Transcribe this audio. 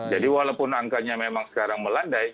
jadi walaupun angkanya memang sekarang melandai